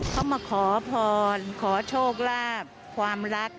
เขามาขอพรขอโชคลาภความรัก